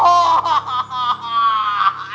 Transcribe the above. เป็นไหมของแอร์ค่ะ